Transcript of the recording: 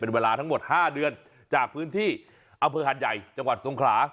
เป็นเวลาทั้งหมด๕เดือนจากพื้นที่อำเภอหัดใหญ่จังหวัดทรงขลา